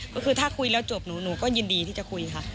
ก็คือถ้าคุยแล้วจบหนูก็ยินดีที่จะคุยค่ะ